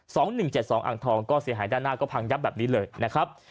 ทะเบียน๒๑๗๒อ่างทองก็เสียหายด้านหน้าก็พังยับแบบนี้เลยนะครับ